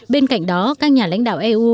bên cạnh đó các nhà lãnh đạo eu